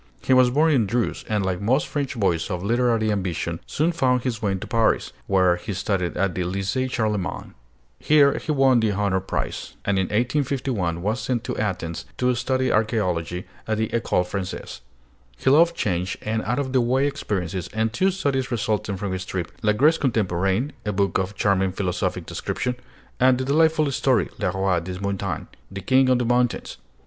He was born in Dreuze, and like most French boys of literary ambition, soon found his way to Paris, where he studied at the Lycée Charlemagne. Here he won the honor prize; and in 1851 was sent to Athens to study archaeology at the École Française. He loved change and out of the way experiences, and two studies resulted from this trip: 'La Grèce Contemporaine,' a book of charming philosophic description; and the delightful story 'Le Roi des Montagnes' (The King of the Mountains).